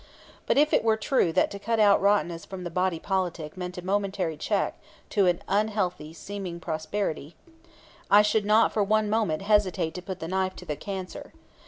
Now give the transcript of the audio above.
But if it were true that to cut out rottenness from the body politic meant a momentary check to an unhealthy seeming prosperity, I should not for one moment hesitate to put the knife to the cancer.